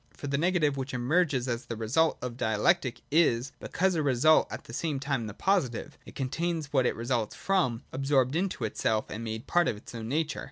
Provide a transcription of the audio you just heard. For the negative, which emerges as the result of dialectic, is, because a result, at the same time the positive : it contains what it results from, absorbed into itself, and made part of its own nature.